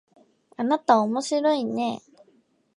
あなたおもしろいね